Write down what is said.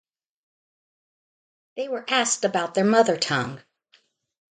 They were asked about their mother-tongue.